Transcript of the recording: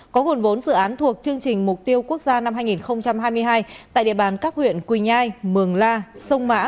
có nguồn vốn dự án thuộc chương trình mục tiêu quốc gia năm hai nghìn hai mươi hai tại địa bàn các huyện quỳnh nhai mường la sông mã